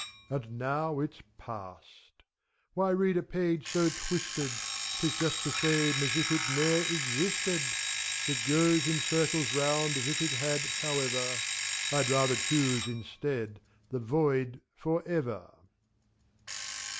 "And now it's past I" Why read a page so twisted T 'T is just the same as if it ne'er existed. Yet goes in circles round as if it had, however: I'd rather choose, instead, the Void forever.